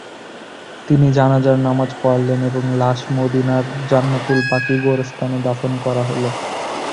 তিনি জানাযার নামায পড়ালেন এবং লাশ মদীনার জান্নাতুল বাকী গোরস্থানে দাফন করা হলো।